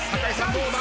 どうだ？